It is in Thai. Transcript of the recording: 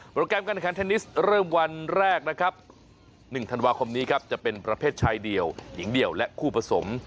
แกรมการแข่งขันเทนนิสเริ่มวันแรกนะครับ๑ธันวาคมนี้ครับจะเป็นประเภทชายเดียวหญิงเดียวและคู่ผสม